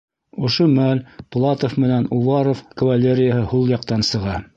Ошо мәл Платов менән Уваров кавалерияһы һул яҡтан сыға.